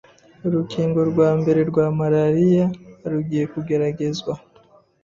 'Urukingo rwa mbere rwa malariya' rugiye kugeragezwa